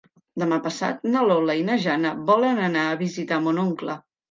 Demà passat na Lola i na Jana volen anar a visitar mon oncle.